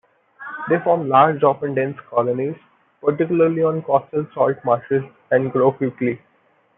They form large, often dense colonies, particularly on coastal salt marshes, and grow quickly.